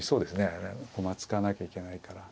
あれ駒使わなきゃいけないから。